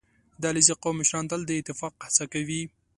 • د علیزي قوم مشران تل د اتفاق هڅه کوي.